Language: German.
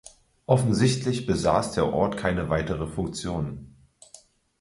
Offensichtlich besaß der Ort keine weitere Funktion.